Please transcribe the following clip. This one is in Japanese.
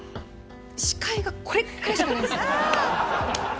視界がこれっくらいしかないんですよ。